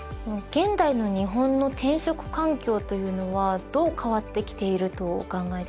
現代の日本の転職環境というのはどう変わってきているとお考えですか？